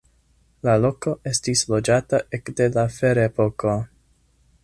La loko estis loĝata ekde la ferepoko.